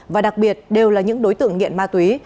và đặc biệt đều là những đối tượng nghiện ma túy